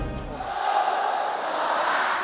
aku mau berubah menjadi pelaku